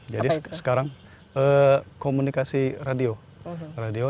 jadi sekarang komunikasi radio